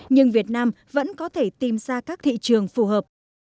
nhưng việt nam vẫn có thể tìm ra các thị trường phù hợp